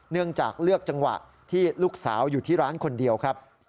เนื่องจากเลือกจังหวะที่ลูกสาวอยู่ที่ร้านคนเดียวครับ